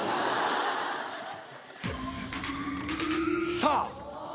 さあ。